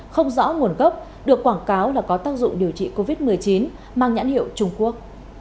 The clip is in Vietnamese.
không rõ nguồn gốc được quảng cáo là có tác dụng điều trị covid một mươi chín mang nhãn hiệu trung quốc